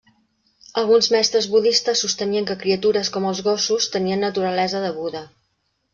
Alguns mestres budistes sostenien que criatures com els gossos tenien naturalesa de Buda.